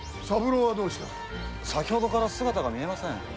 先ほどから姿が見えません。